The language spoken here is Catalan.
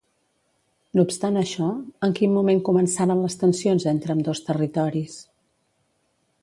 No obstant això, en quin moment començaren les tensions entre ambdós territoris?